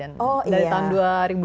yang sudah di laporkan kepada presiden